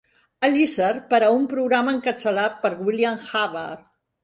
Elicer per a un programa encapçalat per William Hubbard.